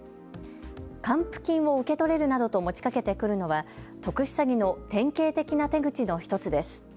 還付金を受け取れるなどと持ちかけてくるのは特殊詐欺の典型的な手口の１つです。